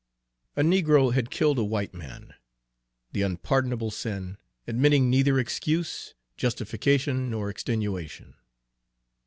A negro had killed a white man, the unpardonable sin, admitting neither excuse, justification, nor extenuation.